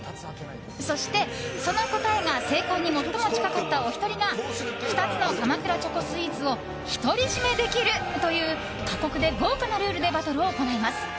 そして、その答えが正解に最も近かったお二人が２つの鎌倉チョコスイーツを独り占めできるという過酷で豪華なルールでバトルを行います。